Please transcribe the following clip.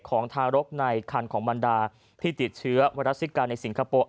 ทารกในคันของบรรดาที่ติดเชื้อไวรัสซิกาในสิงคโปร์